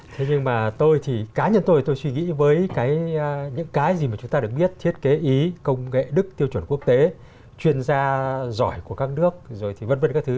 thế nhưng mà tôi thì cá nhân tôi tôi suy nghĩ với những cái gì mà chúng ta được biết thiết kế ý công nghệ đức tiêu chuẩn quốc tế chuyên gia giỏi của các nước rồi thì vân vân các thứ